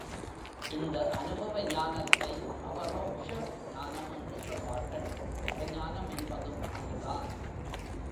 இந்த அநுபவ ஞானத்தை அபரோக்ஷ ஞானம் என்று சொல்வார்கள் பரஞானம் என்பதும் அதுதான்.